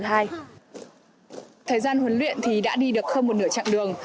thời gian huấn luyện thì đã đi được hơn một nửa chặng đường